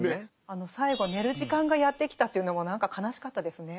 あの最後寝る時間がやって来たというのも何か悲しかったですね。